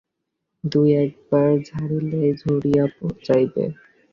দুই-একবার ঝাড়িলেই ঝরিয়া যাইবে।